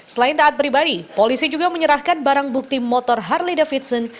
selain taat pribadi polisi juga menyerahkan barang bukti motor harley davidson